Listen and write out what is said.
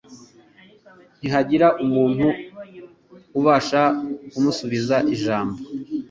Ntihagira umuntu ubasha kumusubiza ijambo,